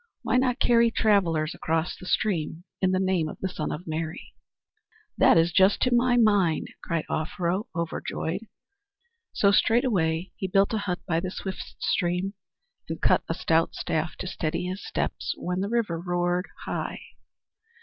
Why not carry travellers across the stream in the name of the Son of Mary?" "That is just to my mind," cried Offero, overjoyed. So straightway he built a hut by the swift stream, and cut a stout staff to steady his steps when the river roared high.